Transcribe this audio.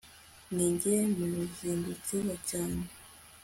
ni ge muzindutsi wa cyane